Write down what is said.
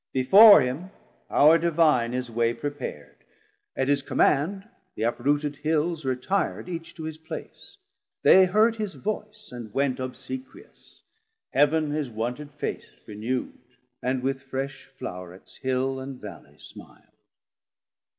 Before him Power Divine his way prepar'd; 780 At his command the uprooted Hills retir'd Each to his place, they heard his voice and went Obsequious, Heav'n his wonted face renewd, And with fresh Flourets Hill and Valley smil'd.